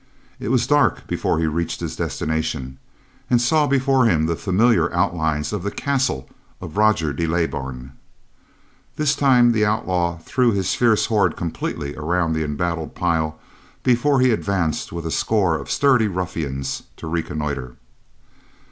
It was dark before he reached his destination, and saw before him the familiar outlines of the castle of Roger de Leybourn. This time, the outlaw threw his fierce horde completely around the embattled pile before he advanced with a score of sturdy ruffians to reconnoiter.